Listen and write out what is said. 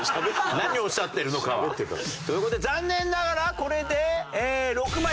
何をおっしゃってるのかは。という事で残念ながらこれで６枚プラスになるんですかね。